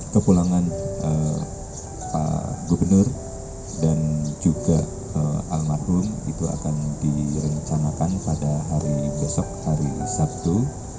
kepulangan pak gubernur dan juga almarhum itu akan direncanakan pada hari besok hari sabtu